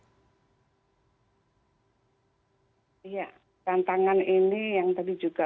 iya tantangan ini yang tadi juga